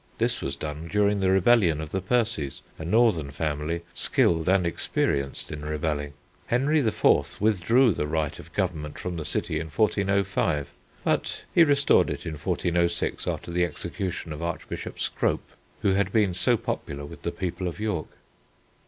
This was done during the rebellion of the Percies, a northern family skilled and experienced in rebelling. Henry IV. withdrew the right of government from the city in 1405, but he restored it in 1406 after the execution of Archbishop Scrope, who had been so popular with the people of York.